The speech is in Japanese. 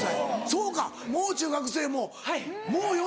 そうかもう中学生ももう４０。